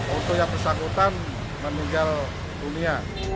otoya tersangkutan meninggal dunia